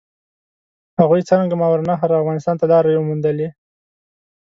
هغوی څرنګه ماورالنهر او افغانستان ته لارې وموندلې؟